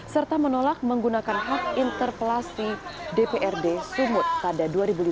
serta menolak menggunakan hak interpelasi dprd sumut pada dua ribu lima belas